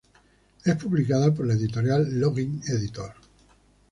Es publicada por la editorial: Login Editor.